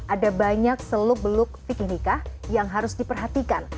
ada banyak seluk beluk fikih nikah yang harus diperhatikan